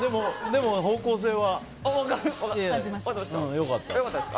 でも、方向性は良かった。